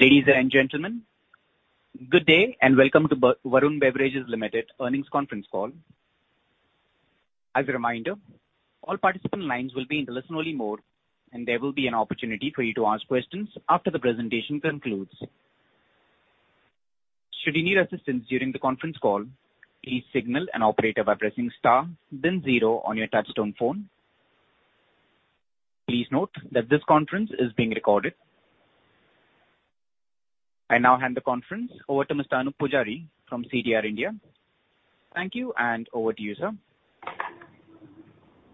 Ladies and gentlemen, good day and welcome to Varun Beverages Limited earnings conference call. As a reminder, all participant lines will be in listen-only mode, and there will be an opportunity for you to ask questions after the presentation concludes. Should you need assistance during the conference call, please signal an operator by pressing star then zero on your touchtone phone. Please note that this conference is being recorded. I now hand the conference over to Mr. Anoop Poojari from CDR India. Thank you, and over to you, sir.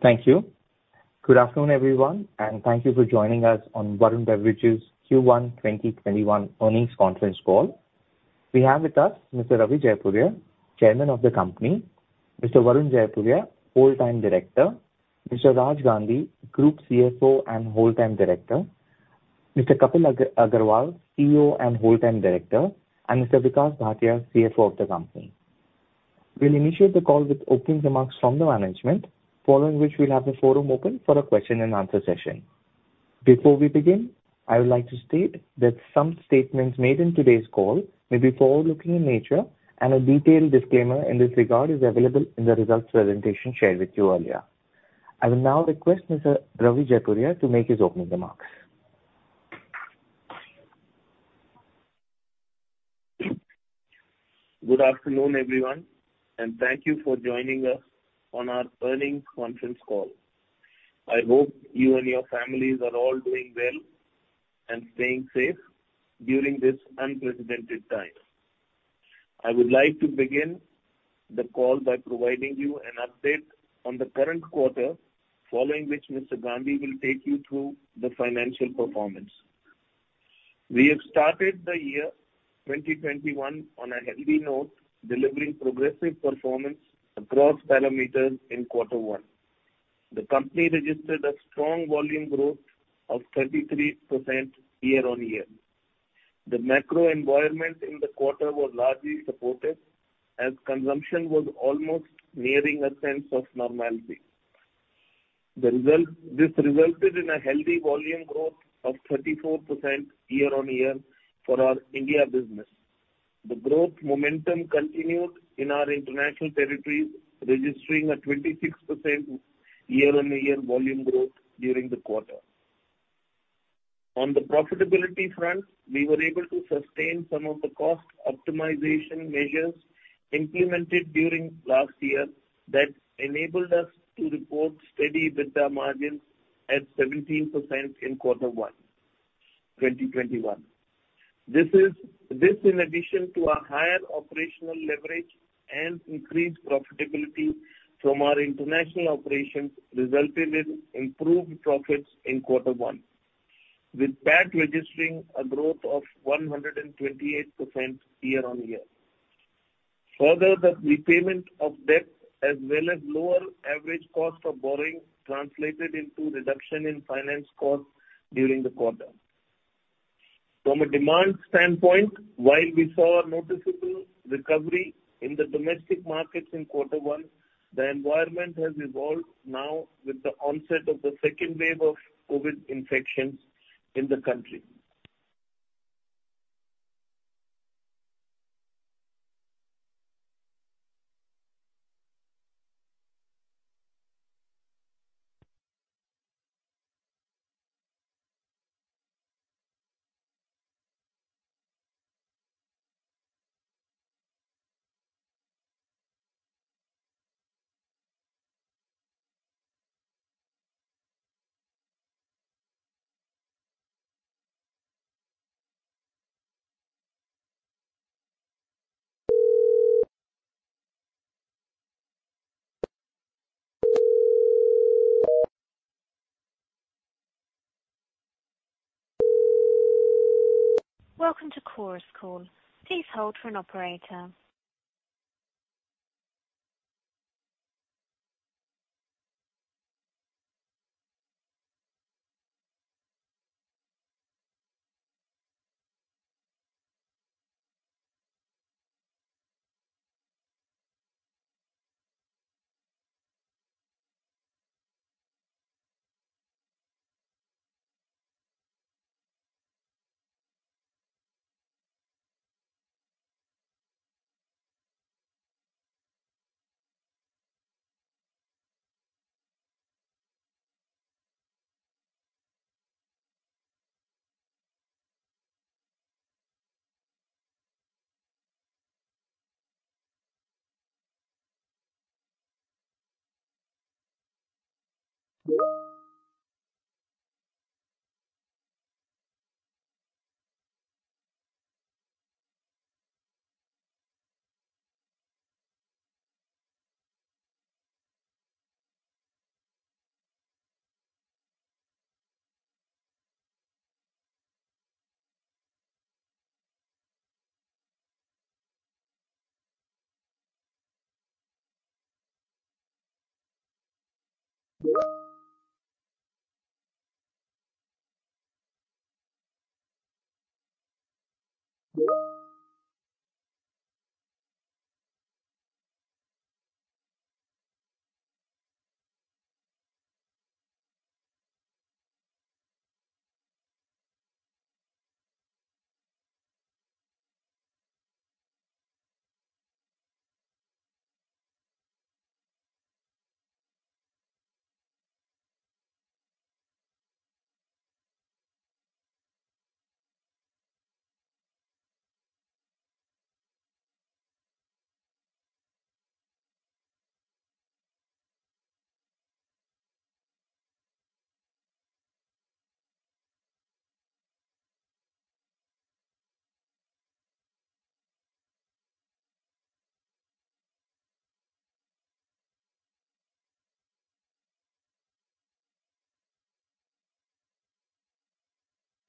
Thank you. Good afternoon, everyone, and thank you for joining us on Varun Beverages Q1 2021 earnings conference call. We have with us Mr. Ravi Jaipuria, Chairman of the company, Mr. Varun Jaipuria, Whole-time Director, Mr. Raj Gandhi Group CFO and Whole-time Director, Mr. Kapil Agarwal CEO and Whole-time Director and Mr. Vikas Bhatia CFO of the company.. We'll initiate the call with opening remarks from the management, following which we'll have the forum open for a question and answer session. Before we begin, I would like to state that some statements made in today's call may be forward-looking in nature, and a detailed disclaimer in this regard is available in the results presentation shared with you earlier. I will now request Mr. Ravi Jaipuria to make his opening remarks. Good afternoon, everyone, and thank you for joining us on our earnings conference call. I hope you and your families are all doing well and staying safe during this unprecedented time. I would like to begin the call by providing you an update on the current quarter, following which Mr. Gandhi will take you through the financial performance. We have started the year 2021 on a healthy note, delivering progressive performance across parameters in quarter one. The company registered a strong volume growth of 33% year-on-year. The macro environment in the quarter was largely supportive as consumption was almost nearing a sense of normality. This resulted in a healthy volume growth of 34% year-on-year for our India business. The growth momentum continued in our international territories, registering a 26% year-on-year volume growth during the quarter. On the profitability front, we were able to sustain some of the cost optimization measures implemented during last year that enabled us to report steady EBITDA margins at 17% in quarter one 2021. This, in addition to a higher operational leverage and increased profitability from our international operations, resulted in improved profits in quarter one, with PAT registering a growth of 128% year-on-year. The repayment of debt as well as lower average cost of borrowing translated into reduction in finance cost during the quarter. From a demand standpoint, while we saw a noticeable recovery in the domestic markets in quarter one, the environment has evolved now with the onset of the second wave of COVID infections in the country.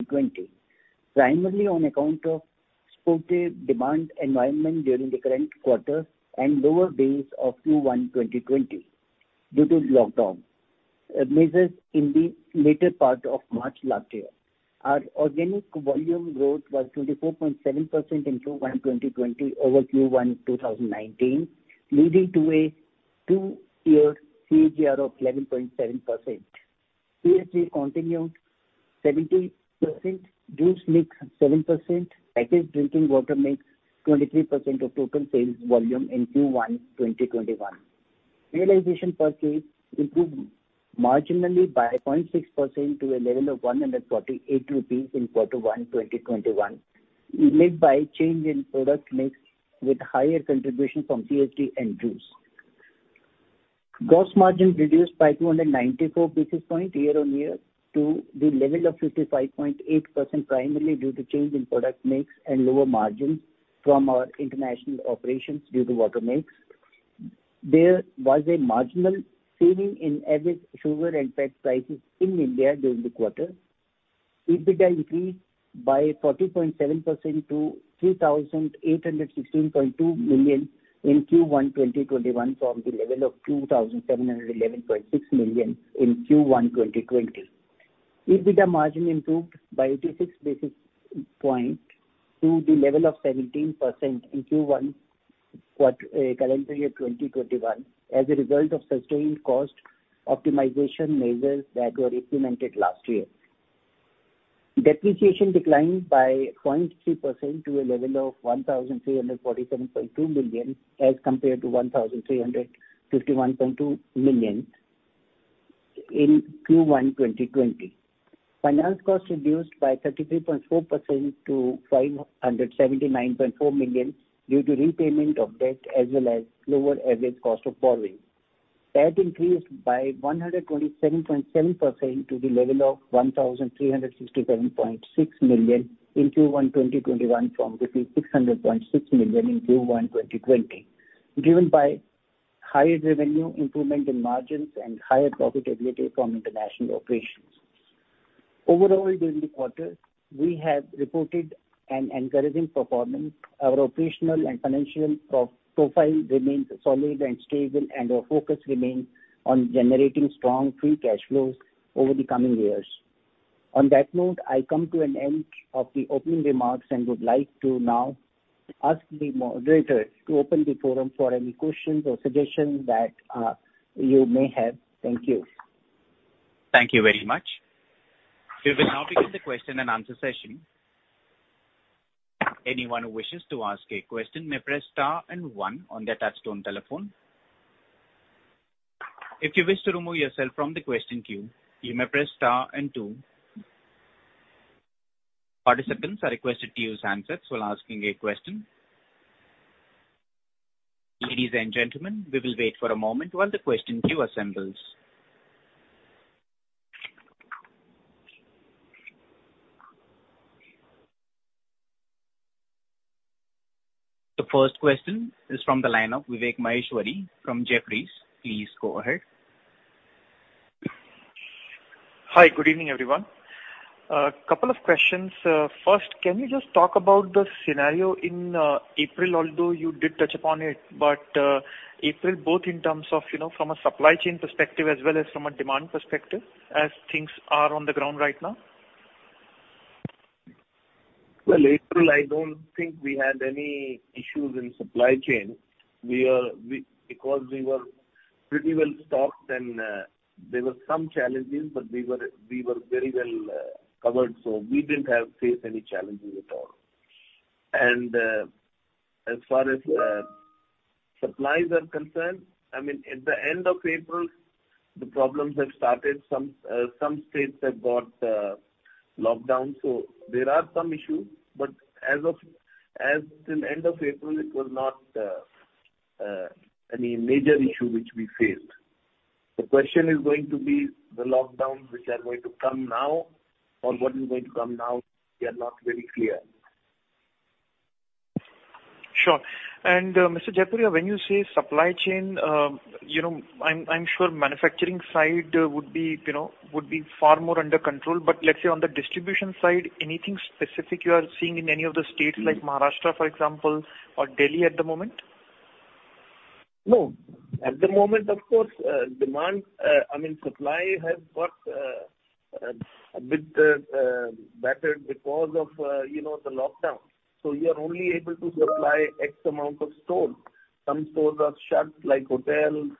Primarily on account of supportive demand environment during the current quarter and lower base of Q1 2020 due to lockdown measures in the later part of March last year. Our organic volume growth was 24.7% in Q1 2020 over Q1 2019, leading to a two-year CAGR of 11.7%. CSD continued 70%, juice mix 7%, packaged drinking water mix 23% of total sales volume in Q1 2021. Realization per case improved marginally by 0.6% to a level of 148 rupees in quarter one 2021, made by change in product mix with higher contribution from CSD and juice. Gross margin reduced by 294 basis points year-on-year to the level of 55.8%, primarily due to change in product mix and lower margins from our international operations due to water mix. There was a marginal saving in average sugar and PET prices in India during the quarter. EBITDA increased by 40.7% to 3,816.2 million in Q1 2021 from the level of 2,711.6 million in Q1 2020. EBITDA margin improved by 86 basis points to the level of 17% in Q1 current year 2021 as a result of sustained cost optimization measures that were implemented last year. Depreciation declined by 0.3% to a level of 1,347.2 million as compared to 1,351.2 million in Q1 2020. Finance cost reduced by 33.4% to 579.4 million due to repayment of debt as well as lower average cost of borrowing. Debt increased by 127.7% to the level of 1,367.6 million in Q1 2021 from 600.6 million in Q1 2020, driven by higher revenue, improvement in margins, and higher profitability from international operations. Overall, during the quarter, we have reported an encouraging performance. Our operational and financial profile remains solid and stable, and our focus remains on generating strong free cash flows over the coming years. On that note, I come to an end of the opening remarks and would like to now ask the moderator to open the forum for any questions or suggestions that you may have. Thank you. Thank you very much. We will now begin the question-and-answer session. Anyone who wishes to ask a question may press star and one on their touchtone telephone. If you wish to remove yourself from the question queue you may press star and two. Participants are requested to use handsets while asking a question. Ladies and gentlemen, please wait for moment while the question queue assembles. The first question is from the line of Vivek Maheshwari from Jefferies. Please go ahead. Hi. Good evening, everyone. A couple of questions. First, can you just talk about the scenario in April, although you did touch upon it, but April both in terms of from a supply chain perspective as well as from a demand perspective as things are on the ground right now? Well, April, I don't think we had any issues in supply chain. Because we were pretty well stocked and there were some challenges, but we were very well covered, so we didn't have to face any challenges at all. As far as supplies are concerned, at the end of April, the problems have started. Some states have got lockdown. There are some issues, but as in end of April, it was not any major issue which we faced. The question is going to be the lockdowns which are going to come now or what is going to come now, we are not very clear. Sure. Mr. Jaipuria, when you say supply chain, I'm sure manufacturing side would be far more under control. Let's say on the distribution side, anything specific you are seeing in any of the states like Maharashtra, for example, or Delhi at the moment? No. At the moment, of course, supply has got a bit battered because of the lockdown. You are only able to supply X amount of stores. Some stores are shut, like hotels,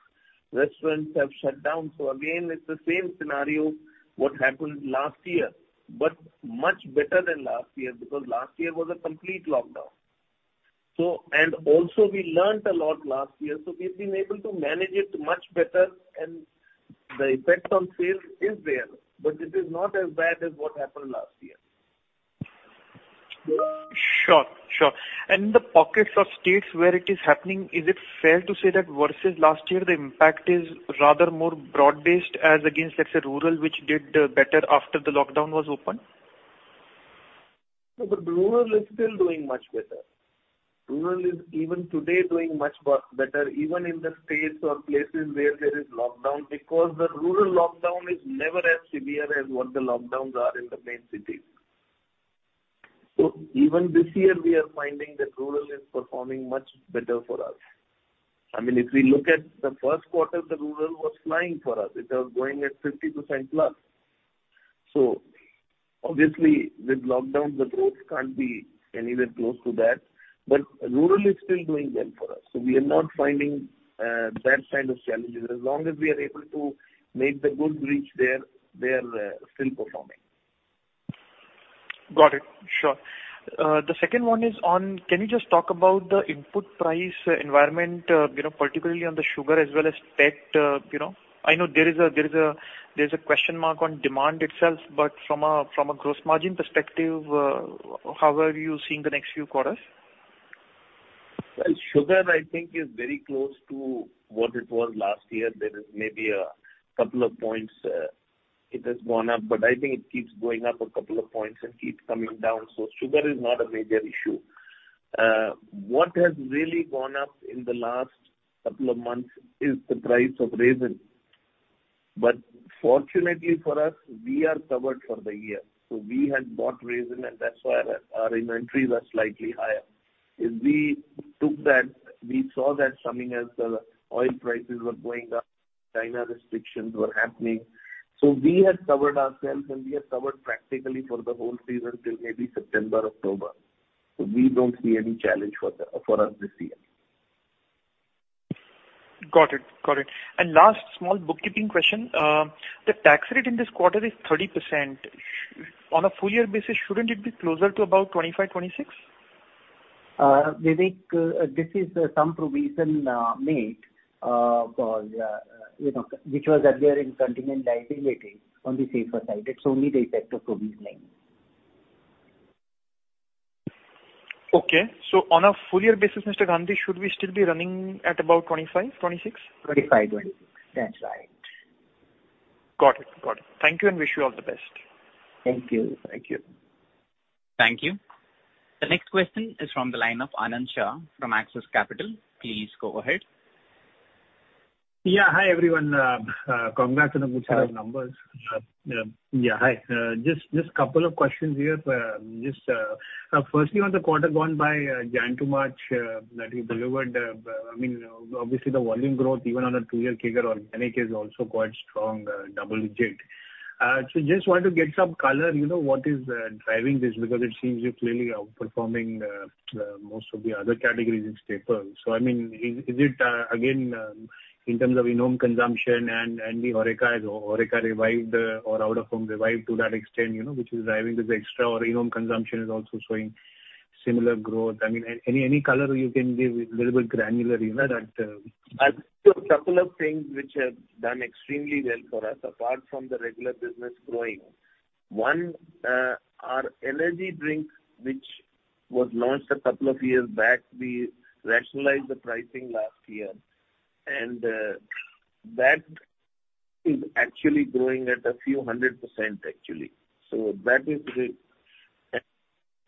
restaurants have shut down. Again, it's the same scenario what happened last year, but much better than last year, because last year was a complete lockdown. Also, we learned a lot last year, so we've been able to manage it much better and the effect on sales is there, but it is not as bad as what happened last year. Sure. The pockets of states where it is happening, is it fair to say that versus last year, the impact is rather more broad-based as against, let's say, rural, which did better after the lockdown was open? Rural is still doing much better. Rural is even today doing much better, even in the states or places where there is lockdown, because the rural lockdown is never as severe as what the lockdowns are in the main cities. Even this year, we are finding that rural is performing much better for us. If we look at the first quarter, the rural was flying for us. It was growing at 50%+. Obviously, with lockdowns, the growth can't be anywhere close to that, but rural is still doing well for us, so we are not finding that kind of challenges. As long as we are able to make the goods reach there, they are still performing. Got it. Sure. The second one is on, can you just talk about the input price environment, particularly on the sugar as well as PET? I know there's a question mark on demand itself, but from a gross margin perspective, how are you seeing the next few quarters? Sugar, I think is very close to what it was last year. There is maybe a couple of points it has gone up, I think it keeps going up a couple of points and keeps coming down. Sugar is not a major issue. What has really gone up in the last couple of months is the price of resin. Fortunately for us, we are covered for the year. We had bought resin, and that's why our inventories are slightly higher. As we took that, we saw that something as the oil prices were going up, China restrictions were happening. We had covered ourselves, and we are covered practically for the whole season till maybe September, October. We don't see any challenge for us this year. Got it. Last small bookkeeping question. The tax rate in this quarter is 30%. On a full year basis, shouldn't it be closer to about 25%, 26%? Vivek, this is some provision made, which was earlier in continuing 19 rating on the safer side. It's only the effect of provisioning. Okay. On a full year basis, Mr. Gandhi, should we still be running at about 25%-26%? 25%, 26%. That's right. Got it. Thank you, and wish you all the best. Thank you. Thank you. Thank you. The next question is from the line of Anand Shah from Axis Capital. Please go ahead. Yeah. Hi, everyone. Congrats on the good set of numbers. Hi. Yeah, hi. Couple of questions here. Firstly, on the quarter gone by January to March that you delivered, obviously the volume growth even on a two-year CAGR organic is also quite strong, double digit. I just want to get some color, what is driving this? It seems you're clearly outperforming most of the other categories in staples. Is it again, in terms of in-home consumption and the HORECA revived or out-of-home revived to that extent, which is driving this extra, or in-home consumption is also showing similar growth? Any color you can give, a little bit granular on that. I think a couple of things which have done extremely well for us, apart from the regular business growing. One, our energy drink, which was launched a couple of years back, we rationalized the pricing last year. That is actually growing at a few 100%, actually.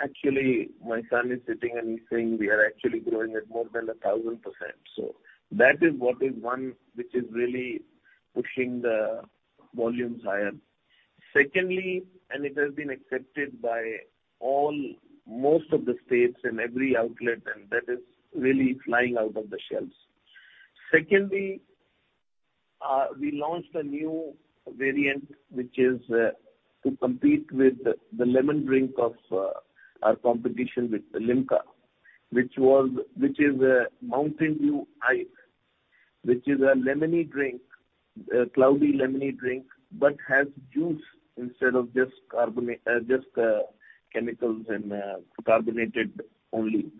Actually, my son is sitting and he's saying we are actually growing at more than 1,000%. That is what is one which is really pushing the volumes higher. Secondly, and it has been accepted by most of the states in every outlet, and that is really flying out of the shelves. Secondly, we launched a new variant, which is to compete with the lemon drink of our competition with Limca, which is Mountain Dew Ice, which is a cloudy lemony drink, but has juice instead of just chemicals and carbonated only.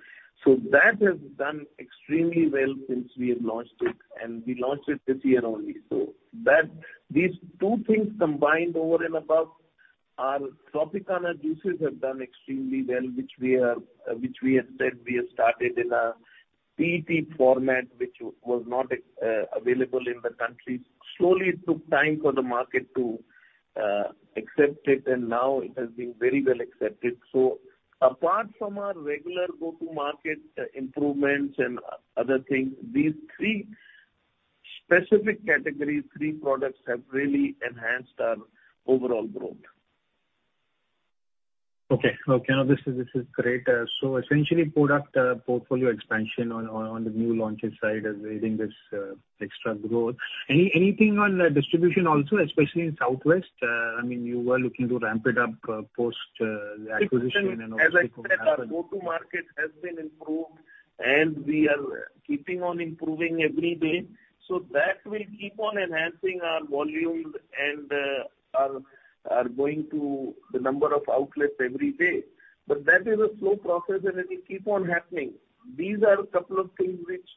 That has done extremely well since we have launched it, and we launched it this year only. These two things combined over and above our Tropicana juices have done extremely well, which we had said we have started in a PET format, which was not available in the country. Slowly, it took time for the market to accept it, and now it has been very well accepted. Apart from our regular go-to-market improvements and other things, these three specific categories, three products have really enhanced our overall growth. Okay. This is great. Essentially product portfolio expansion on the new launches side is leading this extra growth. Anything on distribution also, especially in southwest? You were looking to ramp it up post the acquisition and also- As I said, our go-to market has been improved, and we are keeping on improving every day. That will keep on enhancing our volumes and are going to the number of outlets every day. That is a slow process, and it will keep on happening. These are a couple of things which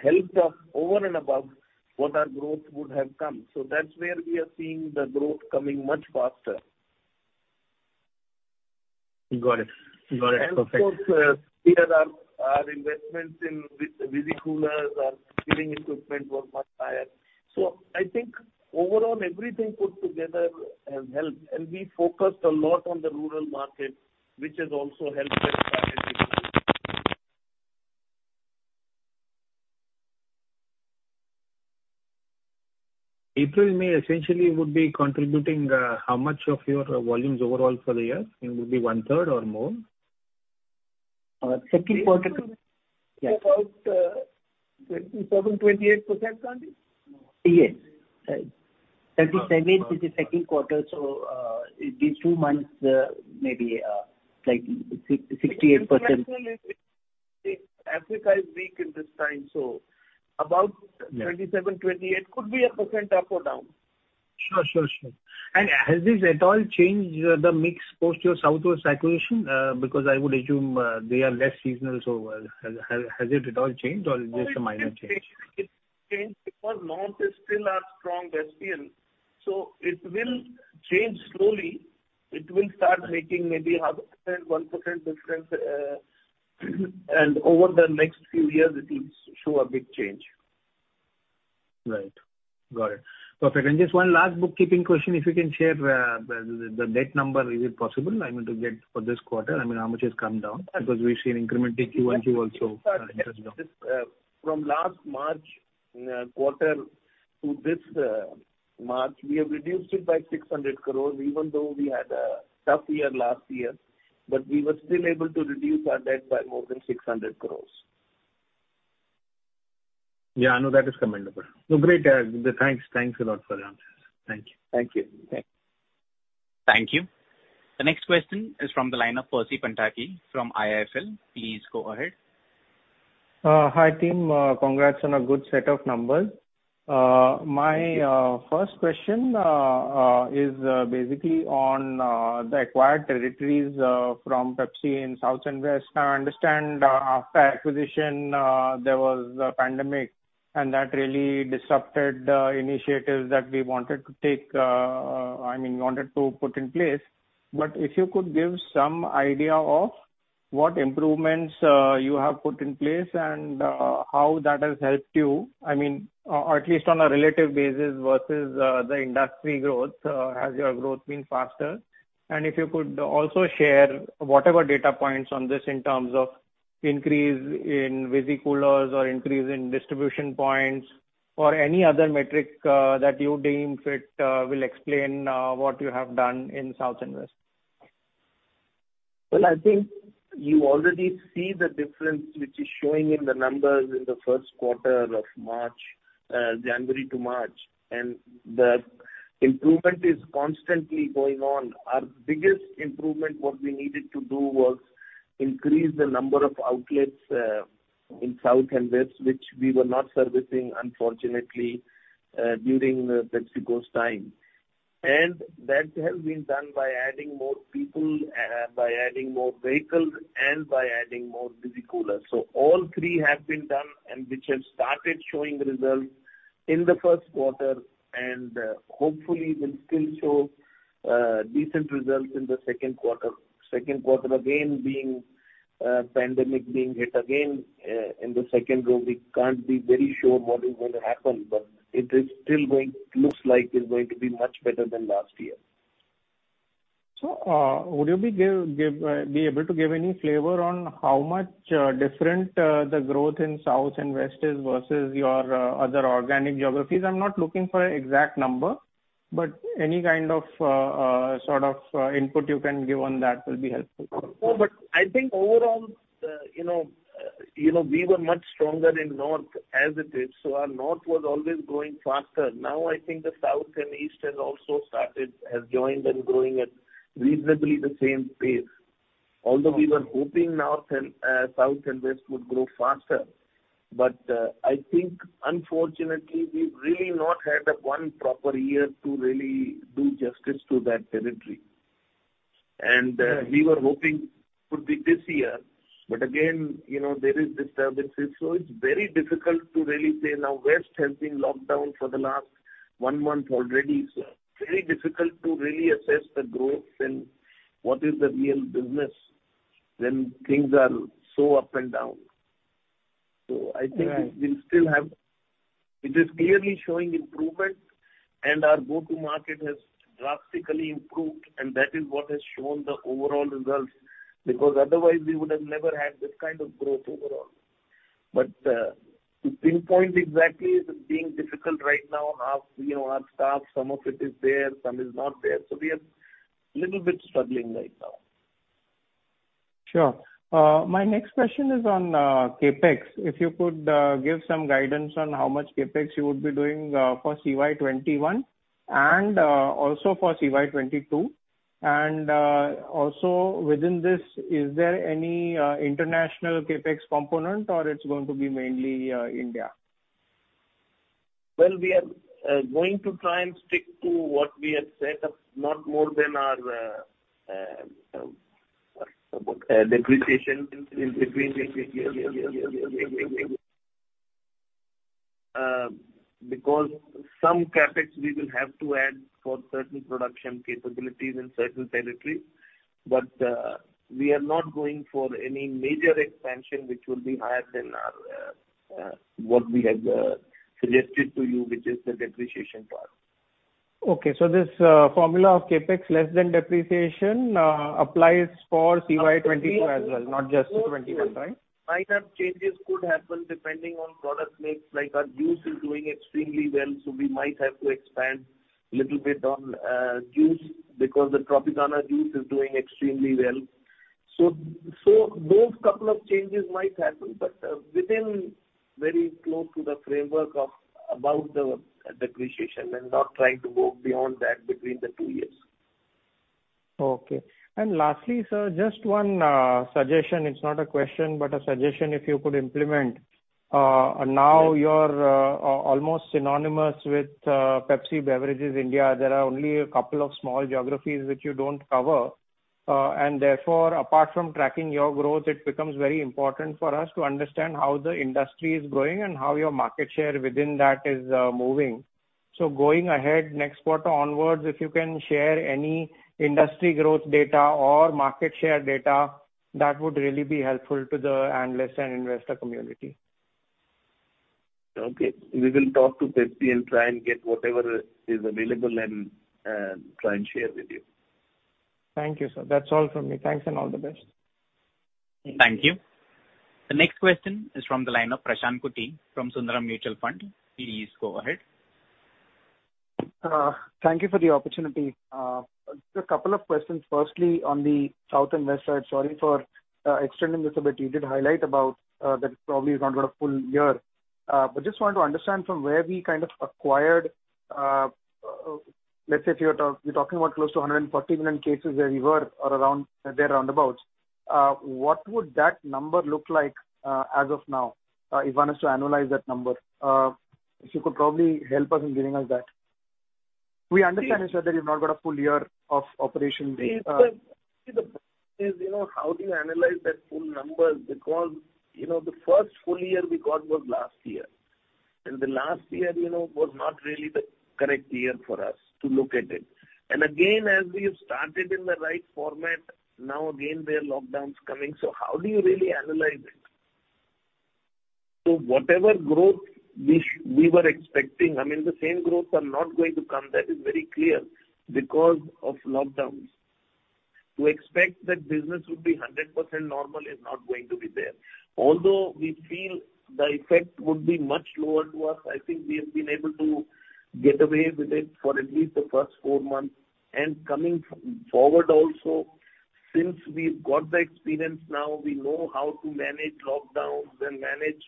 helped us over and above what our growth would have come. That's where we are seeing the growth coming much faster. Got it. Perfect. Of course, here our investments in Visi coolers, our chilling equipment were much higher. I think overall everything put together has helped. We focused a lot on the rural market, which has also helped us April, May essentially would be contributing how much of your volumes overall for the year? It would be 1/3 or more? Second quarter. About 27%, 28%, Gandhi? Yes. 37% is the second quarter, so these two months maybe 68%. Actually, Africa is weak in this time, so about 27%, 28% could be a percent up or down. Sure. Has this at all changed the mix post your southwest acquisition? Because I would assume they are less seasonal, so has it at all changed or just a minor change? It changed because north is still our stronghold, so it will change slowly. It will start making maybe 0.5%, 1% difference, and over the next few years it will show a big change. Right. Got it. Perfect. Just one last bookkeeping question, if you can share the debt number. Is it possible to get for this quarter, how much has come down? Because we've seen incremental Q1, Q also interest drop. From last March quarter to this March, we have reduced it by 600 crore even though we had a tough year last year, but we were still able to reduce our debt by more than 600 crore. Yeah, I know that is commendable. No, great. Thanks a lot for your answers. Thank you. Thank you. Thank you. The next question is from the line of Percy Panthaki from IIFL. Please go ahead. Hi, team. Congrats on a good set of numbers. Thank you. My first question is basically on the acquired territories from Pepsi in south and west. I understand after acquisition, there was a pandemic and that really disrupted initiatives that we wanted to take, wanted to put in place. If you could give some idea of what improvements you have put in place and how that has helped you, at least on a relative basis versus the industry growth, has your growth been faster? If you could also share whatever data points on this in terms of increase in Visi coolers or increase in distribution points or any other metric that you deem fit will explain what you have done in south and west? I think you already see the difference which is showing in the numbers in the first quarter of January to March. The improvement is constantly going on. Our biggest improvement, what we needed to do was increase the number of outlets in south and west, which we were not servicing unfortunately during the PepsiCo's time. That has been done by adding more people, by adding more vehicles, and by adding more Visi coolers. All three have been done and which have started showing results in the first quarter and hopefully will still show decent results in the second quarter. Second quarter again being, pandemic being hit again in the second wave, we can't be very sure what is going to happen. It still looks like it's going to be much better than last year. Would you be able to give any flavor on how much different the growth in south and west is versus your other organic geographies? I am not looking for an exact number, but any kind of input you can give on that will be helpful. No. I think overall, we were much stronger in north as it is, so our north was always growing faster. Now I think the south and east has also started, has joined and growing at reasonably the same pace. Although we were hoping south and west would grow faster. I think unfortunately we've really not had a one proper year to really do justice to that territory. We were hoping could be this year, but again, there is disturbances, so it's very difficult to really say now west has been locked down for the last one month already. Very difficult to really assess the growth and what is the real business when things are so up and down. I think it is clearly showing improvement and our go-to market has drastically improved, and that is what has shown the overall results, because otherwise we would have never had this kind of growth overall. To pinpoint exactly is being difficult right now. Half our staff, some of it is there, some is not there. We are little bit struggling right now. Sure. My next question is on CapEx. If you could give some guidance on how much CapEx you would be doing for CY 2021 and also for CY 2022. Also within this, is there any international CapEx component or it's going to be mainly India? Well, we are going to try and stick to what we had set up, not more than our depreciation between because some CapEx we will have to add for certain production capabilities in certain territories. We are not going for any major expansion, which will be higher than what we had suggested to you, which is the depreciation part. Okay. This formula of CapEx less than depreciation applies for CY 2022 as well, not just 2021, right? Minor changes could happen depending on product mix. Like our juice is doing extremely well, so we might have to expand little bit on juice because the Tropicana juice is doing extremely well. Those couple of changes might happen, but within very close to the framework of about the depreciation and not trying to go beyond that between the two years. Okay. Lastly, sir, just one suggestion. It's not a question, but a suggestion if you could implement. Now you're almost synonymous with Pepsi Beverages India. There are only a couple of small geographies which you don't cover. Therefore, apart from tracking your growth, it becomes very important for us to understand how the industry is growing and how your market share within that is moving. Going ahead next quarter onwards, if you can share any industry growth data or market share data, that would really be helpful to the analysts and investor community. Okay. We will talk to Pepsi and try and get whatever is available and try and share with you. Thank you, sir. That's all from me. Thanks and all the best. Thank you. The next question is from the line of Prashant Kutty from Sundaram Mutual Fund. Please go ahead. Thank you for the opportunity. Just a couple of questions. Firstly, on the south and west side, sorry for extending this a bit. You did highlight about that it probably is not got a full year. Just want to understand from where we kind of acquired, let's say, if you're talking about close to 140 million cases where you were or there round about, what would that number look like as of now, if one is to analyze that number? If you could probably help us in giving us that. We understand, sir, that you've not got a full year of operation. The problem is how do you analyze that full number because the first full year we got was last year, the last year was not really the correct year for us to look at it. Again, as we have started in the right format, now again, there are lockdowns coming. How do you really analyze it? Whatever growth we were expecting, I mean, the same growth are not going to come, that is very clear because of lockdowns. To expect that business would be 100% normal is not going to be there. Although we feel the effect would be much lower to us, I think we have been able to get away with it for at least the first four months. Coming forward also, since we've got the experience now, we know how to manage lockdowns and manage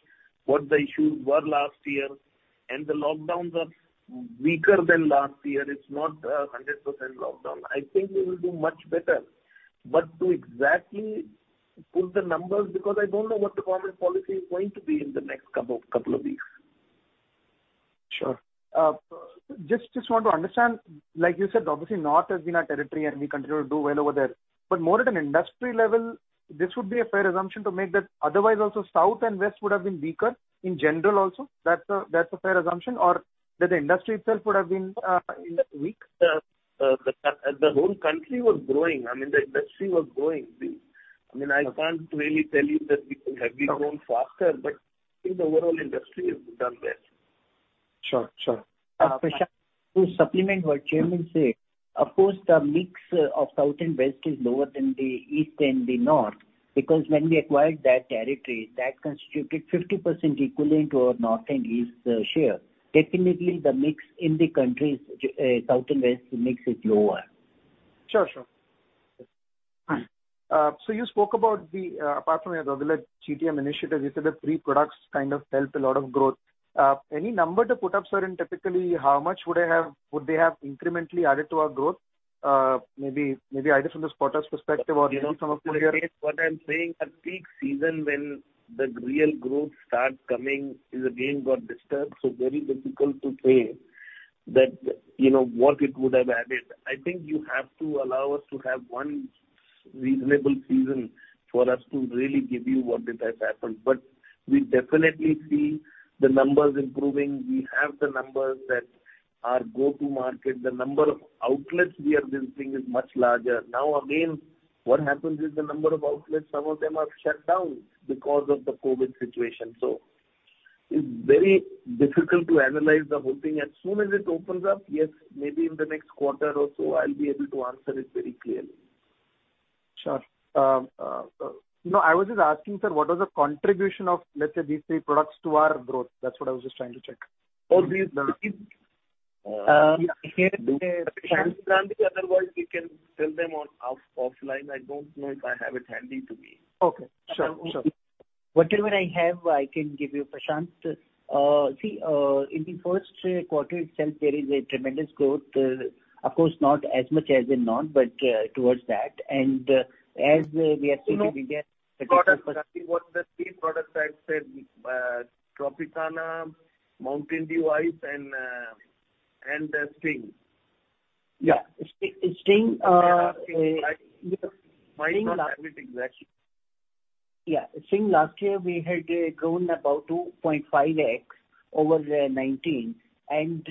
what the issues were last year, and the lockdowns are weaker than last year. It's not 100% lockdown. I think we will do much better. To exactly put the numbers, because I don't know what the government policy is going to be in the next couple of weeks. Sure. Just want to understand, like you said, obviously, north has been our territory, and we continue to do well over there. More at an industry level, this would be a fair assumption to make that otherwise also south and west would have been weaker in general also. That's a fair assumption? That the industry itself would have been weak? The whole country was growing. I mean, the industry was growing. I mean, I can't really tell you that we could have grown faster, but I think the overall industry has done well. Sure. Prashant, to supplement what Chairman say, of course, the mix of south and west is lower than the east and the north, because when we acquired that territory, that constituted 50% equivalent to our north and east share. Definitely, the mix in the country's south and west mix is lower. Sure. You spoke about apart from your regular GTM initiatives, you said that three products kind of helped a lot of growth. Any number to put up, sir, in typically how much would they have incrementally added to our growth? Maybe either from this quarter's perspective or maybe some of full year. What I'm saying, at peak season, when the real growth starts coming, it again got disturbed, very difficult to say what it would have added. I think you have to allow us to have one reasonable season for us to really give you what it has happened. We definitely see the numbers improving. We have the numbers that our go-to-market, the number of outlets we are visiting is much larger. Now, again, what happens is the number of outlets, some of them are shut down because of the COVID situation. It's very difficult to analyze the whole thing. As soon as it opens up, yes, maybe in the next quarter or so, I'll be able to answer it very clearly. Sure. I was just asking, sir, what was the contribution of, let's say, these three products to our growth? That's what I was just trying to check. Prashant, or Gandhi, otherwise we can tell them offline. I don't know if I have it handy to me. Okay. Sure. Whatever I have, I can give you, Prashant. See, in the first quarter itself, there is a tremendous growth. Of course, not as much as in north, but towards that. As we are seeing in India. No. What are the three products I said, Tropicana, Mountain Dew Ice, and Sting? Yeah, Sting. I'm asking everything exactly. Yeah. Sting, last year, we had grown about 2.5x over 2019, and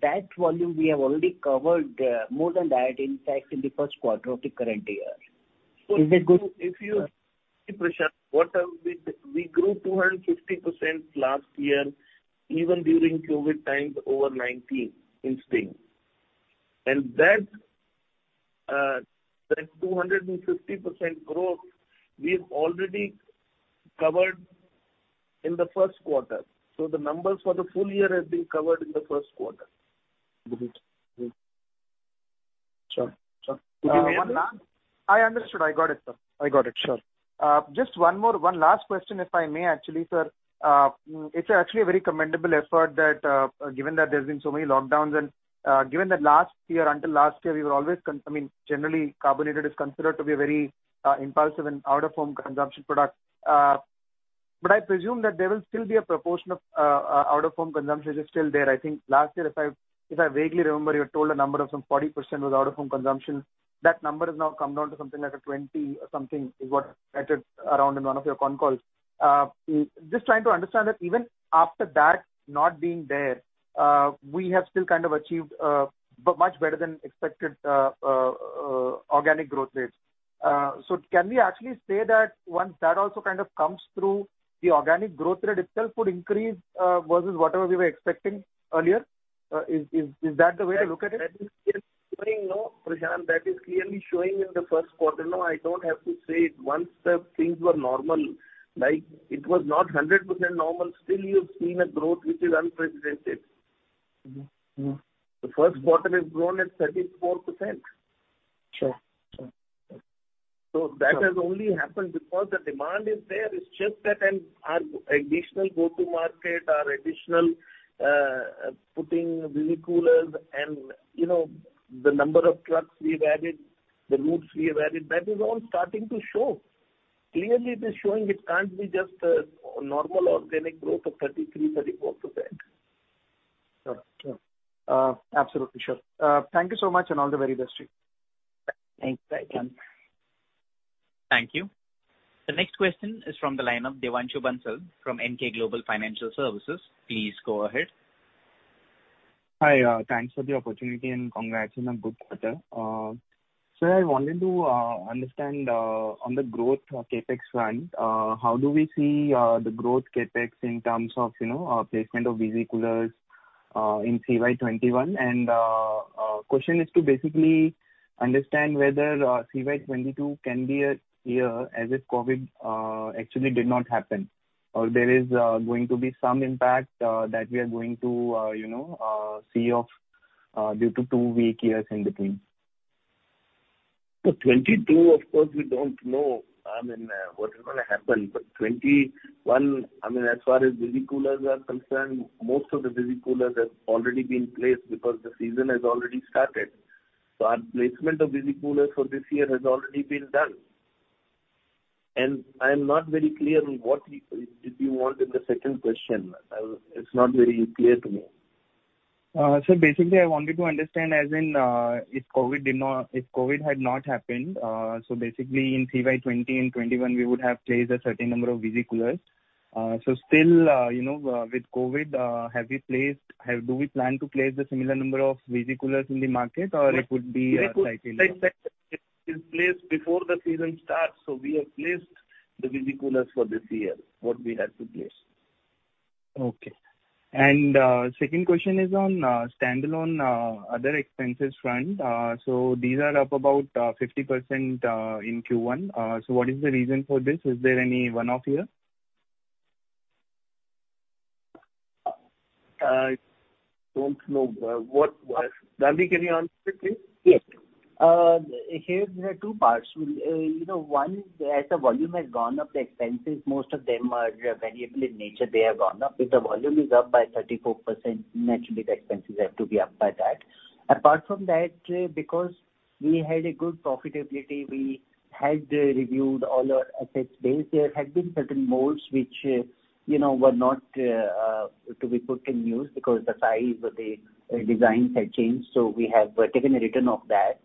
that volume, we have already covered more than that, in fact, in the first quarter of the current year. Is it good? Prashant, we grew 250% last year, even during COVID times over 2019 in Sting. That 250% growth, we've already covered in the first quarter. The numbers for the full year have been covered in the first quarter. Good. Sure. Did you hear that? I understood. I got it, sir. I got it. Sure. Just one last question, if I may actually, sir. It's actually a very commendable effort, given that there's been so many lockdowns, and given that until last year, generally carbonated is considered to be a very impulsive and out-of-home consumption product. I presume that there will still be a proportion of out-of-home consumption is still there. I think last year, if I vaguely remember, you had told a number of some 40% was out-of-home consumption. That number has now come down to something like 20 or something, is what I heard around in one of your con calls. Just trying to understand that even after that not being there, we have still kind of achieved much better than expected organic growth rates. Can we actually say that once that also kind of comes through, the organic growth rate itself would increase, versus whatever we were expecting earlier? Is that the way I look at it? Prashant, that is clearly showing in the first quarter. I don't have to say it. Once the things were normal, it was not 100% normal. Still, you've seen a growth which is unprecedented. The first quarter we've grown at 34%. Sure. That has only happened because the demand is there. It's just that our additional go-to market, our additional putting Visi coolers and the number of trucks we've added, the routes we have added, that is all starting to show. Clearly it is showing it can't be just a normal organic growth of 33%, 34%. Sure. Absolutely, sure. Thank you so much, and all the very best to you. Thanks. Bye. Thank you. The next question is from the line of Devanshu Bansal from Emkay Global Financial Services. Please go ahead. Hi. Thanks for the opportunity, and congrats on a good quarter. Sir, I wanted to understand on the growth CapEx front, how do we see the growth CapEx in terms of placement of Visi coolers in CY 2021? Question is to basically understand whether CY 2022 can be a year as if COVID actually did not happen, or there is going to be some impact that we are going to see off due to two weak years in between. CY 2022, of course, we don't know what is going to happen. 2021, as far as Visi coolers are concerned, most of the Visi coolers have already been placed because the season has already started. Our placement of Visi coolers for this year has already been done. I'm not very clear on what you want in the second question. It's not very clear to me. Sir, basically, I wanted to understand as in, if COVID had not happened, so basically in CY 2020 and 2021, we would have placed a certain number of Visi coolers. Still, with COVID, do we plan to place the similar number of Visi coolers in the market, or it would be a cycle? It is placed before the season starts. We have placed the Visi coolers for this year, what we had to place. Okay. Second question is on standalone other expenses front. These are up about 50% in Q1. What is the reason for this? Is there any one-off here? I don't know. Gandhi, can you answer it, please? Yes. Here there are two parts. One, as the volume has gone up, the expenses, most of them are variable in nature. They have gone up. If the volume is up by 34%, naturally, the expenses have to be up by that. Apart from that, because we had a good profitability, we had reviewed all our asset base. There had been certain molds which were not to be put in use because the size of the designs had changed. We have taken a write-off of that.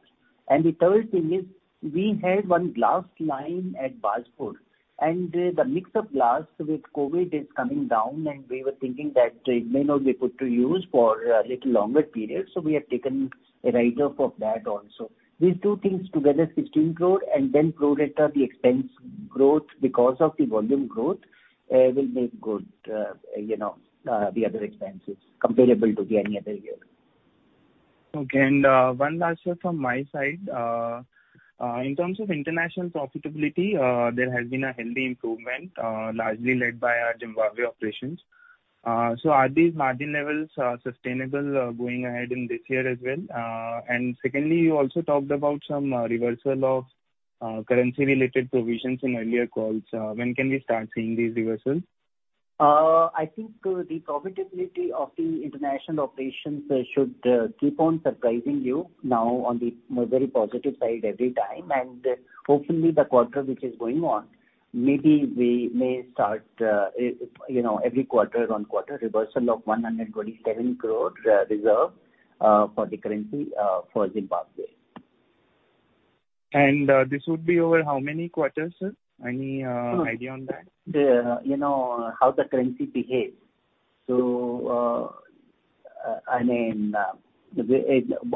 The third thing is, we had one glass line at Bazpur, and the mix of glass with COVID is coming down, and we were thinking that it may not be put to use for a little longer period. We have taken a write-off of that also. These two things together, INR 16 crore, and then pro rata, the expense growth because of the volume growth, will make good the other expenses comparable to any other year. Okay. One last one from my side. In terms of international profitability, there has been a healthy improvement, largely led by our Zimbabwe operations. Are these margin levels sustainable going ahead in this year as well? Secondly, you also talked about some reversal of currency-related provisions in earlier calls. When can we start seeing these reversals? I think the profitability of the international operations should keep on surprising you now on the very positive side every time, and hopefully the quarter which is going on, maybe we may start every quarter on quarter reversal of 127 crore reserve for the currency for Zimbabwe. This would be over how many quarters? Any idea on that? You know how the currency behaves.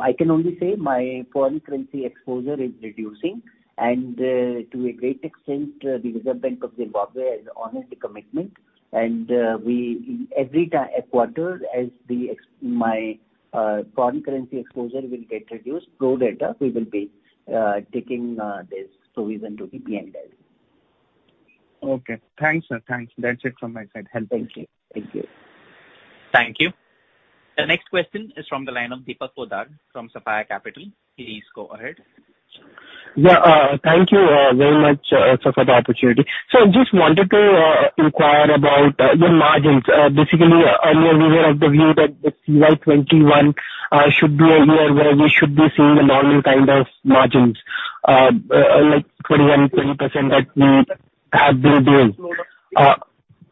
I can only say my foreign currency exposure is reducing, and to a great extent, the Reserve Bank of Zimbabwe has honored the commitment. Every quarter, as my foreign currency exposure will get reduced, pro rata, we will be taking this provision to be behind that. Okay. Thanks. That's it from my side. Helpful. Thank you. Thank you. The next question is from the line of Deepak Poddar from Sapphire Capital. Please go ahead. Yeah. Thank you very much, sir, for the opportunity. Just wanted to inquire about your margins. Basically, earlier we were of the view that the CY 2021 should be a year where we should be seeing a normal kind of margins, like 21%, 20% that we have been doing.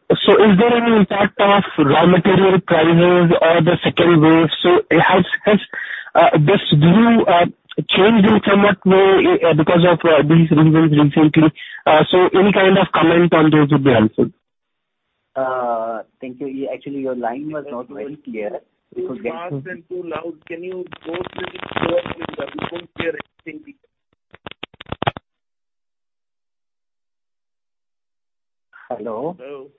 Is there any impact of raw material prices or the second wave? Has this view changed in somewhat way because of these reasons recently? Any kind of comment on those would be helpful. Thank you. Actually, your line was not very clear. It was fast and too loud. Can you go to the top please? We couldn't hear a thing.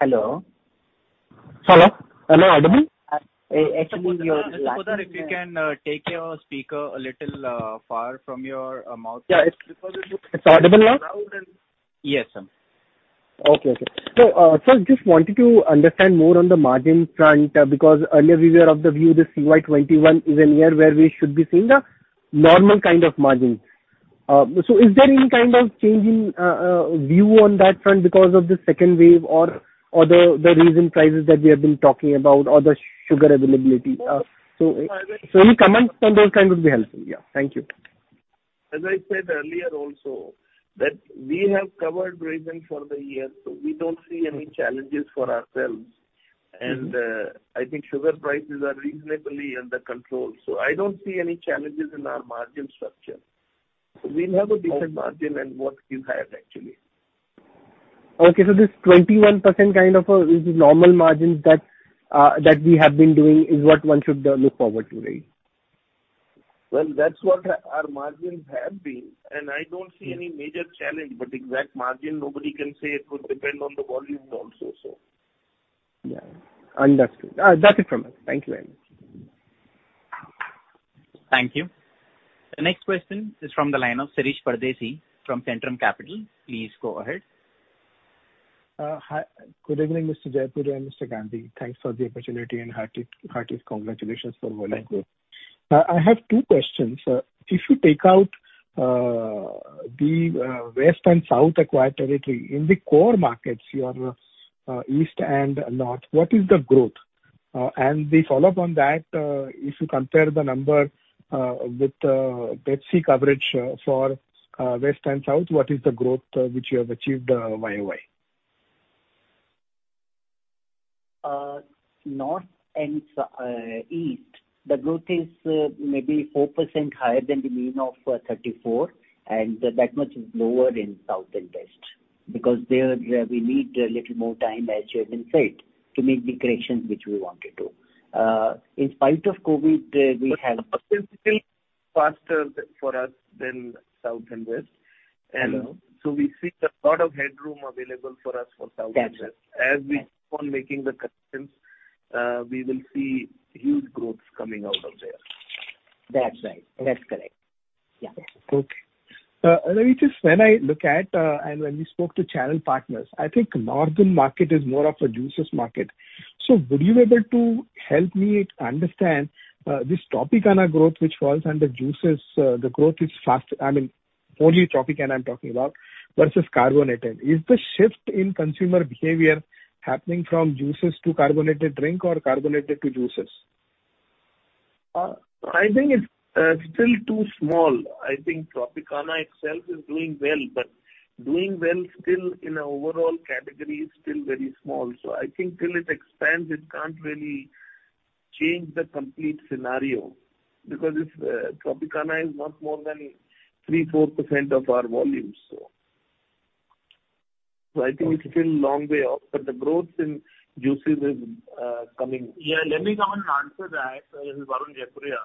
Hello. Hello. Hello. Hello, audible? Mr. Poddar, if you can take your speaker a little far from your mouth. Yeah. It's audible now? Yes, sir. Okay, sir, just wanted to understand more on the margin front because earlier we were of the view that CY 2021 is a year where we should be seeing a normal kind of margins. Is there any kind of change in view on that front because of the second wave or the recent prices that we have been talking about or the sugar availability? Any comments on those kinds would be helpful. Yeah. Thank you. As I said earlier also, that we have covered resin for the year, we don't see any challenges for ourselves. I think sugar prices are reasonably under control. I don't see any challenges in our margin structure. We will have a decent margin and what you had actually. Okay. This 21% kind of a normal margin that we have been doing is what one should look forward to, right? Well, that's what our margins have been, and I don't see any major challenge, but exact margin, nobody can say. It would depend on the volumes also. Yeah. Understood. That's it from us. Thank you very much. Thank you. The next question is from the line of Shirish Pardeshi from Centrum Capital. Please go ahead. Good evening, Mr. Jaipuria and Mr. Gandhi. Thanks for the opportunity and heartiest congratulations for a well done group. I have two questions. If you take out the west and south acquired territory, in the core markets, your east and north, what is the growth? The follow-up on that, if you compare the number with the PepsiCo coverage for west and south, what is the growth which you have achieved YOY? north and east, the growth is maybe 4% higher than the mean of 34, and that much is lower in south and west. Because there we need a little more time, as you have been said, to make the corrections which we wanted to. In spite of COVID, we have- north is still faster for us than south and west. Hello. We see a lot of headroom available for us for south and west. That's right. As we keep on making the corrections, we will see huge growths coming out of there. That's right. That's correct. Yeah. Okay. Let me just when I look at, and when we spoke to channel partners, I think northern market is more of a juices market. Would you be able to help me understand this Tropicana growth which falls under juices, the growth is fast, only Tropicana I'm talking about, versus carbonated. Is the shift in consumer behavior happening from juices to carbonated drink or carbonated to juices? I think it's still too small. I think Tropicana itself is doing well, but doing well still in a overall category is still very small. I think till it expands, it can't really change the complete scenario, because Tropicana is not more than 3%, 4% of our volumes. I think it's still a long way off, but the growth in juices is coming. Yeah, let me come and answer that. This is Varun Jaipuria.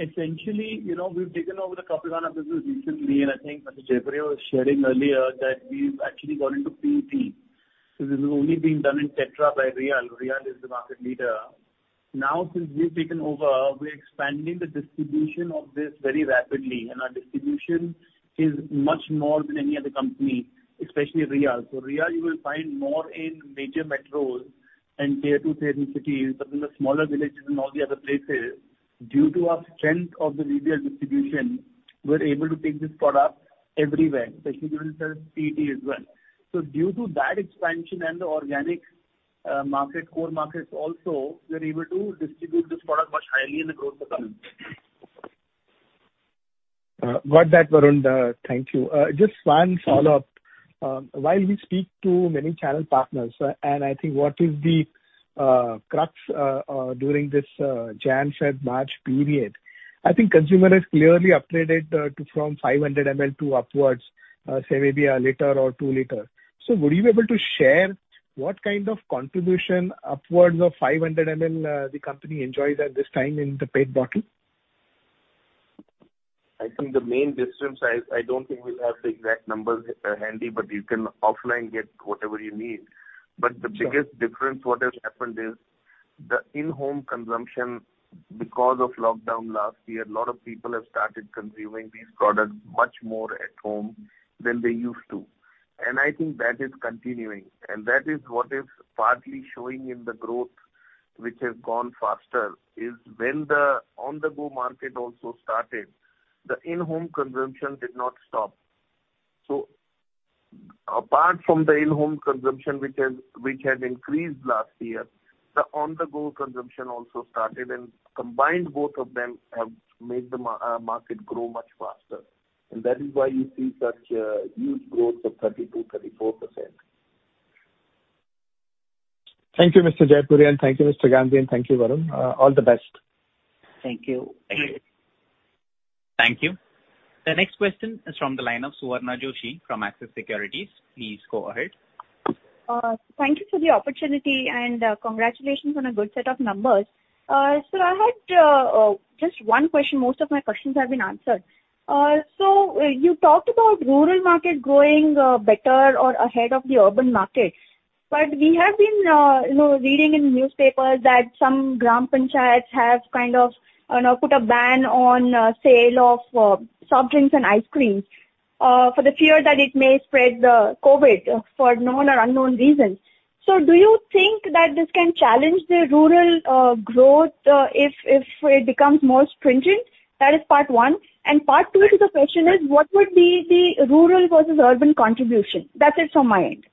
Essentially, we've taken over the Tropicana business recently, and I think Mr. Jaipuria was sharing earlier that we've actually got into PET. This is only being done in tetra by Real. Real is the market leader. Now, since we've taken over, we're expanding the distribution of this very rapidly, and our distribution is much more than any other company, especially Real. Real, you will find more in major metros and Tier 2, Tier 3 cities, but in the smaller villages and all the other places, due to our strength of the Real distribution, we're able to take this product everywhere, especially during the PET as well. Due to that expansion and the organic core markets also, we are able to distribute this product much highly in the growth we're getting. Got that, Varun. Thank you. Just one follow-up. While we speak to many channel partners, I think what is the crux, during this January, February, March period, I think consumer has clearly upgraded from 500 mL to upwards, say maybe 1 L or 2 L Would you be able to share what kind of contribution upwards of 500 mL the company enjoys at this time in the PET bottle? I think the main difference, I don't think we have the exact numbers handy. You can offline get whatever you need. The biggest difference what has happened is the in-home consumption. Because of lockdown last year, a lot of people have started consuming these products much more at home than they used to. I think that is continuing. That is what is partly showing in the growth, which has gone faster, is when the on-the-go market also started, the in-home consumption did not stop. Apart from the in-home consumption, which had increased last year, the on-the-go consumption also started. Combined, both of them have made the market grow much faster. That is why you see such a huge growth of 32%, 34%. Thank you, Mr. Jaipuria. Thank you, Mr. Raj Gandhi, and thank you, Varun Jaipuria. All the best. Thank you. Thank you. Thank you. The next question is from the line of Suvarna Joshi from Axis Securities. Please go ahead. Thank you for the opportunity. Congratulations on a good set of numbers. Sir, I had just one question. Most of my questions have been answered. You talked about rural market growing better or ahead of the urban market, we have been reading in newspapers that some gram panchayats have kind of put a ban on sale of soft drinks and ice cream for the fear that it may spread the COVID for known or unknown reasons. Do you think that this can challenge the rural growth if it becomes more stringent? That is part one. Part two to the question is, what would be the rural versus urban contribution? That's it from my end.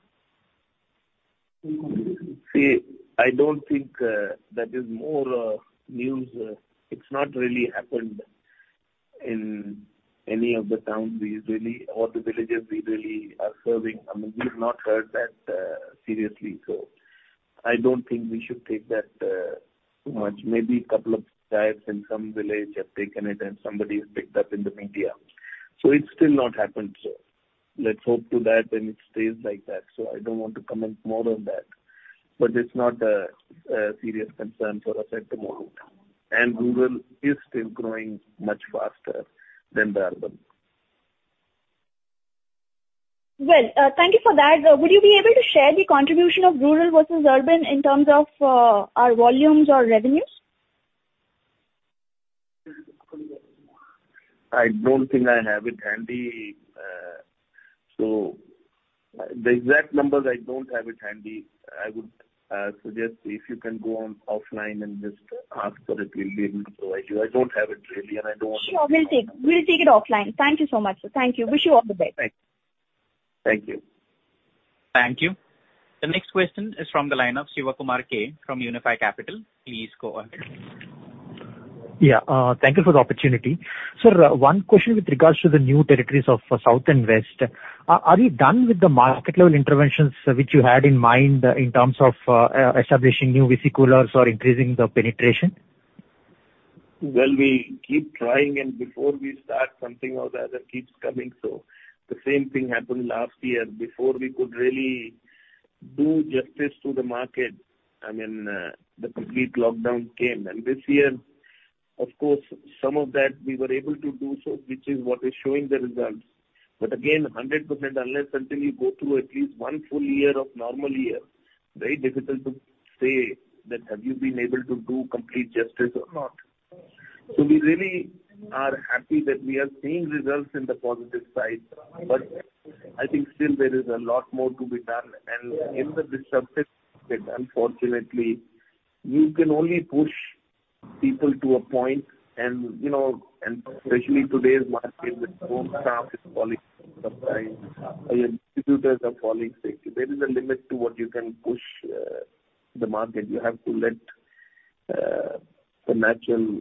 I don't think that is more news. It's not really happened in any of the towns or the villages we really are serving. We've not heard that seriously. I don't think we should take that too much. Maybe a couple of guys in some village have taken it, and somebody has picked up in the media. It's still not happened, sir. Let's hope to that, and it stays like that. I don't want to comment more on that, but it's not a serious concern for us at the moment. Rural is still growing much faster than the urban. Well, thank you for that. Would you be able to share the contribution of rural versus urban in terms of our volumes or revenues? I don't think I have it handy. The exact numbers, I don't have it handy. I would suggest if you can go on offline and just ask for it, we'll be able to provide you. I don't have it really, and I don't want to. Sure, we'll take it offline. Thank you so much, sir. Thank you. Wish you all the best. Thanks. Thank you. Thank you. The next question is from the line of K. Sivakumar from Unifi Capital. Please go ahead. Yeah. Thank you for the opportunity. Sir, one question with regards to the new territories of south and west. Are you done with the market level interventions which you had in mind in terms of establishing new Visi coolers or increasing the penetration? Well, we keep trying, and before we start something or the other keeps coming. The same thing happened last year. Before we could really do justice to the market, the complete lockdown came. This year, of course, some of that we were able to do so, which is what is showing the results. Again, 100%, unless something you go through at least one full year of normal year, very difficult to say that have you been able to do complete justice or not. We really are happy that we are seeing results in the positive side, but I think still there is a lot more to be done. In the distributed market, unfortunately, you can only push people to a point and especially today's market with own staff is falling sometimes or your distributors are falling. There is a limit to what you can push the market. You have to let the natural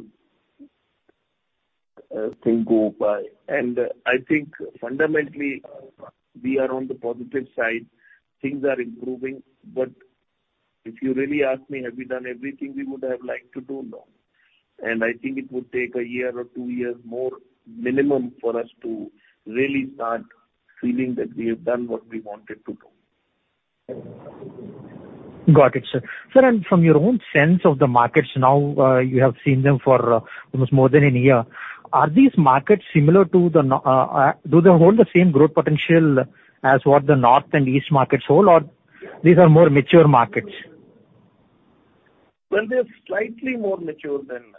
thing go by. I think fundamentally, we are on the positive side. Things are improving, but if you really ask me, have we done everything we would have liked to do? No. I think it would take a year or two years more minimum for us to really start feeling that we have done what we wanted to do. Got it, sir. Sir, from your own sense of the markets now, you have seen them for almost more than a year. Do they hold the same growth potential as what the north and east markets hold, or these are more mature markets? Well, they're slightly more mature than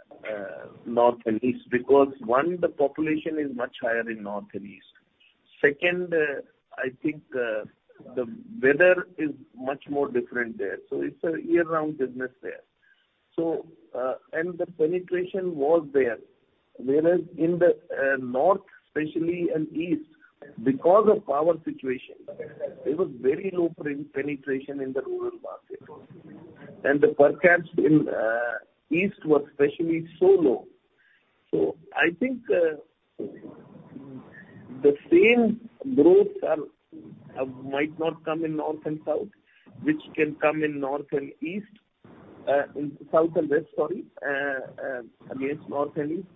north and east because, one, the population is much higher in north and east. Second, I think the weather is much more different there, it's a year-round business there. The penetration was there, whereas in the north especially, and east, because of power situation, there was very low penetration in the rural market also. The per caps in east was especially so low. I think the same growth might not come in north and south, which can come in north and east. south and west, sorry, against north and east.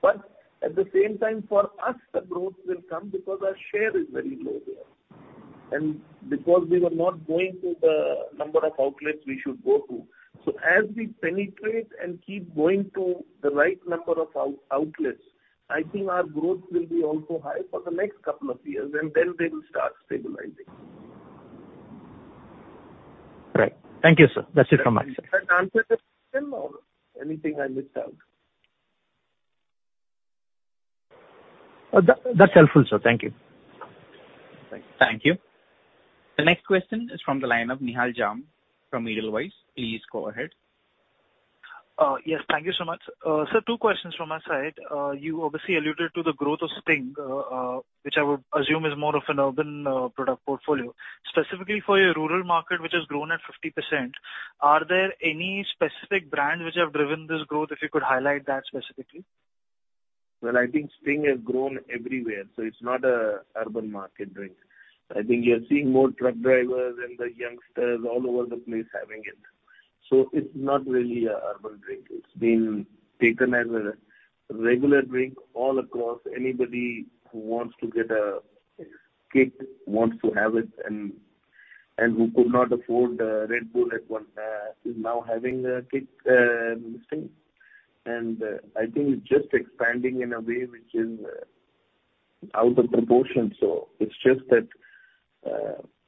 At the same time, for us, the growth will come because our share is very low there, and because we were not going to the number of outlets we should go to. As we penetrate and keep going to the right number of outlets, I think our growth will be also high for the next couple of years, and then they will start stabilizing. Right. Thank you, sir. That's it from us. Have I answered the question or anything I missed out? That's helpful, sir. Thank you. Thank you. Thank you. The next question is from the line of Nihal Jham from Edelweiss. Please go ahead. Yes, thank you so much. Sir, two questions from my side. You obviously alluded to the growth of Sting, which I would assume is more of an urban product portfolio. Specifically for your rural market, which has grown at 50%, are there any specific brands which have driven this growth? If you could highlight that specifically. I think Sting has grown everywhere, so it's not an urban market drink. I think you're seeing more truck drivers and the youngsters all over the place having it. It's not really an urban drink. It's been taken as a regular drink all across. Anybody who wants to get a kick wants to have it, and who could not afford Red Bull is now having a kick with Sting. I think it's just expanding in a way which is out of proportion. It's just that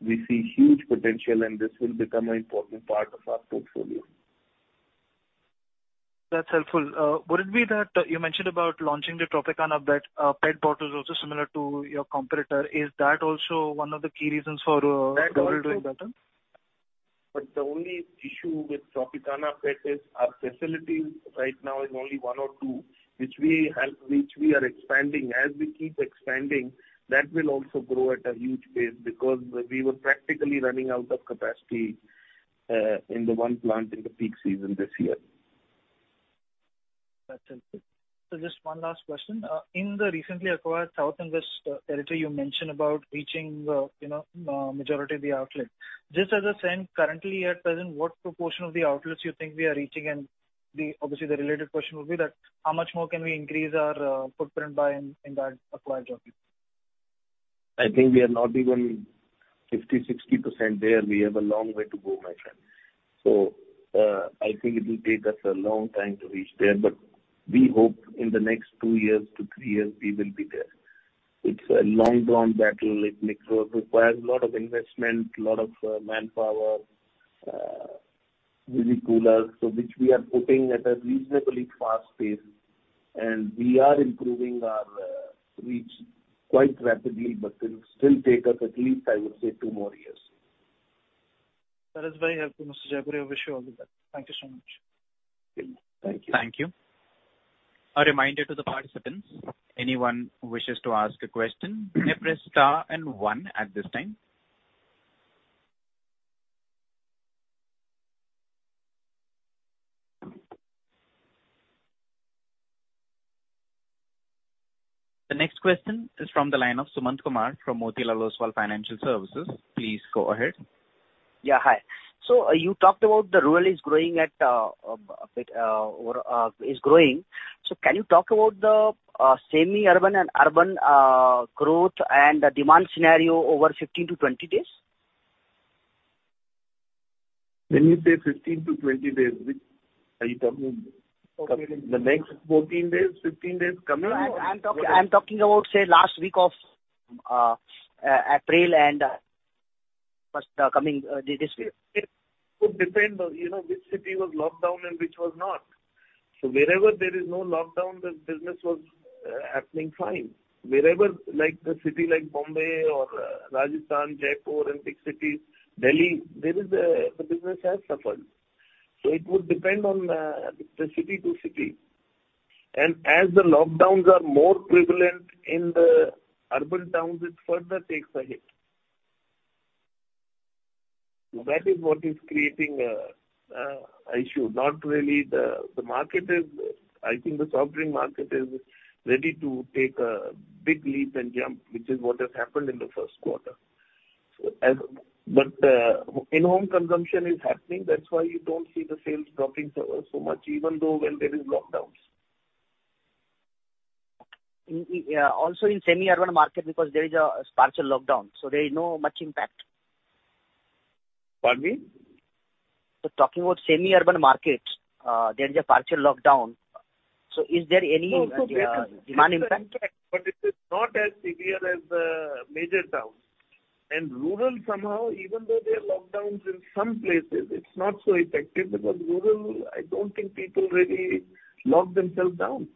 we see huge potential, and this will become an important part of our portfolio. That's helpful. Would it be that you mentioned about launching the Tropicana PET bottles also similar to your competitor. Is that also one of the key reasons for rural doing better? The only issue with Tropicana PET is our facilities right now is only one or two, which we are expanding. As we keep expanding, that will also grow at a huge pace because we were practically running out of capacity in the one plant in the peak season this year. That's helpful. Just one last question. In the recently acquired south and west territory, you mentioned about reaching majority of the outlets. Just as a sense, currently at present, what proportion of the outlets you think we are reaching? Obviously the related question would be that how much more can we increase our footprint in that acquired territory? I think we are not even 50%, 60% there. We have a long way to go, my friend. I think it will take us a long time to reach there, but we hope in the next two years to three years, we will be there. It's a long drawn battle. It requires a lot of investment, a lot of manpower, Visi coolers. Which we are putting at a reasonably fast pace, and we are improving our reach quite rapidly, but will still take us at least, I would say, two more years. That is very helpful, Mr. Jaipuria. I wish you all the best. Thank you so much. Thank you. Thank you. The next question is from the line of Sumant Kumar from Motilal Oswal Financial Services, please go ahead. Hi. You talked about the rural is growing. Can you talk about the semi-urban and urban growth and the demand scenario over 15-20 days? When you say 15-20 days, are you talking the next 14 days, 15 days coming? I'm talking about, say, last week of April and first coming days. It could depend on which city was locked down and which was not. Wherever there is no lockdown, the business was happening fine. Wherever the city like Bombay or Rajasthan, Jaipur and big cities, Delhi, the business has suffered. It would depend on the city to city. As the lockdowns are more prevalent in the urban towns, it further takes a hit. That is what is creating an issue, not really the market is I think the soft drink market is ready to take a big leap and jump, which is what has happened in the first quarter. In-home consumption is happening, that's why you don't see the sales dropping so much even though when there is lockdowns. Also in semi-urban market because there is a partial lockdown, so there is not much impact. Pardon me? Talking about semi-urban markets, there is a partial lockdown. Is there any demand impact? There is an impact, but it is not as severe as the major towns. Rural somehow, even though there are lockdowns in some places, it's not so effective because rural, I don't think people really lock themselves down.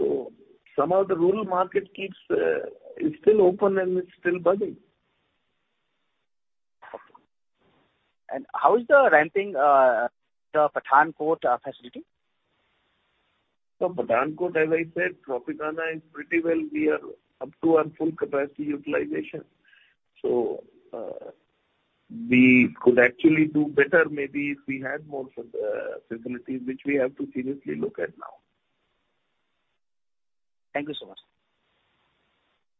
Somehow the rural market is still open and it's still budding. How is the ramping of Pathankot facility? Pathankot, as I said, Tropicana is pretty well. We are up to our full capacity utilization. we could actually do better maybe if we had more facilities, which we have to seriously look at now. Thank you so much.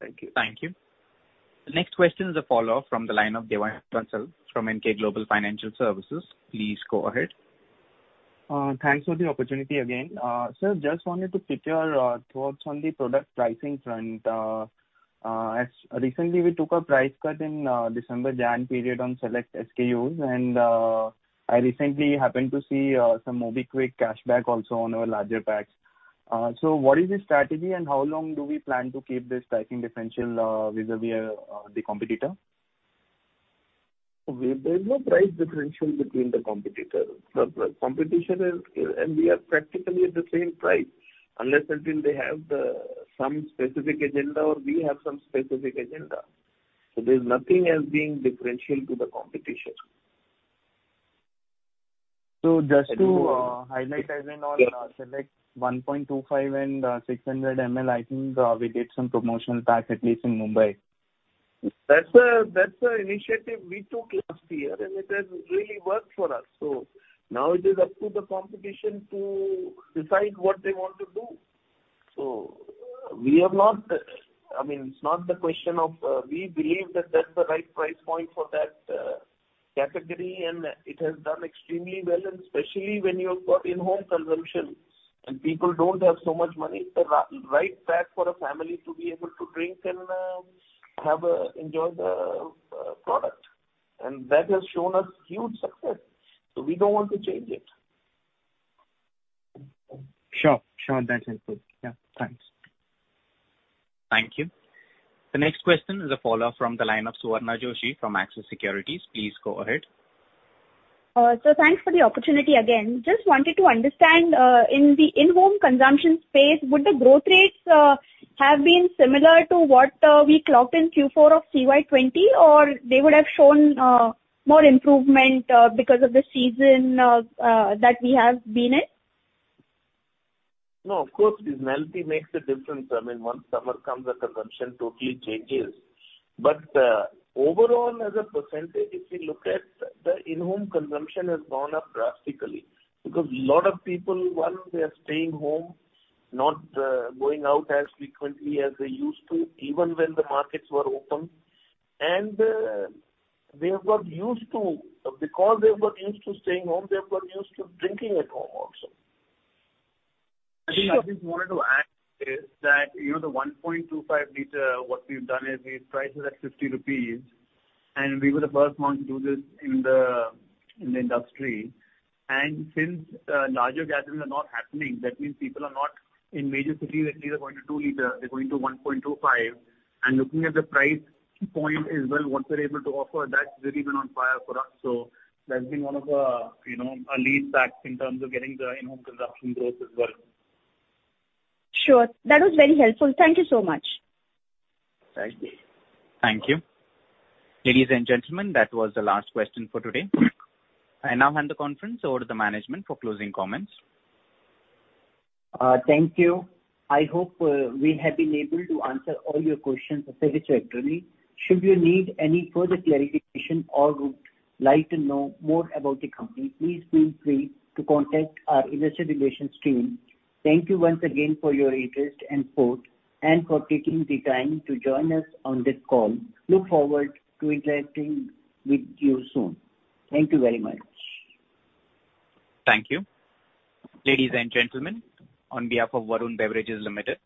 Thank you. Thank you. The next question is a follow-up from the line of Devanshu Bansal from Emkay Global Financial Services. Please go ahead. Thanks for the opportunity again. Sir, just wanted to pick your thoughts on the product pricing front. As recently we took a price cut in December, Jan period on select SKUs, and I recently happened to see some MobiKwik cashback also on our larger packs. What is the strategy, and how long do we plan to keep this pricing differential vis-a-vis the competitor? There is no price differential between the competitor. We are practically at the same price, unless until they have some specific agenda or we have some specific agenda. There's nothing as being differential to the competition. Just to highlight as in on select 1.25 L and 600 mL, I think we did some promotional packs, at least in Mumbai. That's a initiative we took last year, and it has really worked for us. Now it is up to the competition to decide what they want to do. It's not the question of we believe that that's the right price point for that category, and it has done extremely well, and especially when you have got in-home consumption and people don't have so much money, it's a right pack for a family to be able to drink and enjoy the product. That has shown us huge success, so we don't want to change it. Sure. That's input. Yeah, thanks. Thank you. The next question is a follow-up from the line of Suvarna Joshi from Axis Securities. Please go ahead. Sir, thanks for the opportunity again. Just wanted to understand, in the in-home consumption space, would the growth rates have been similar to what we clocked in Q4 of FY 2020, or they would have shown more improvement because of the season that we have been in? No, of course, seasonality makes a difference. Once summer comes, the consumption totally changes. Overall, as a percentage, if you look at the in-home consumption has gone up drastically because a lot of people, one, they are staying home, not going out as frequently as they used to, even when the markets were open. Because they have got used to staying home, they have got used to drinking at home also. I just wanted to add is that, the 1.25 L, what we've done is we've priced it at 60 rupees. We were the first one to do this in the industry. Since larger gatherings are not happening, that means people are not in major cities, at least are going to 2 L. They're going to 1.25 L, looking at the price point as well, what we're able to offer, that's really been on fire for us. That's been one of our lead packs in terms of getting the in-home consumption growth as well. Sure. That was very helpful. Thank you so much. Thank you. Thank you. Ladies and gentlemen, that was the last question for today. I now hand the conference over to the management for closing comments. Thank you. I hope we have been able to answer all your questions satisfactorily. Should you need any further clarification or would like to know more about the company, please feel free to contact our investor relations team. Thank you once again for your interest and support, and for taking the time to join us on this call. Look forward to interacting with you soon. Thank you very much. Thank you. Ladies and gentlemen, on behalf of Varun Beverages Limited,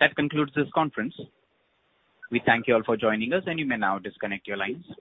that concludes this conference. We thank you all for joining us. You may now disconnect your lines.